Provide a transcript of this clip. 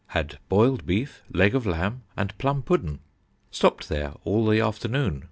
Had boiled Beef, Leg of Lamb and plum Pudden. Stopped there all the afternoon.